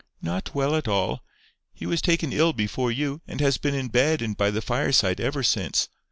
"Not well at all. He was taken ill before you, and has been in bed and by the fireside ever since.